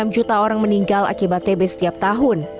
enam juta orang meninggal akibat tb setiap tahun